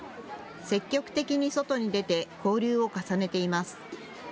積極的に外に出て交流を重ねています。